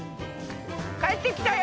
帰ってきたよ。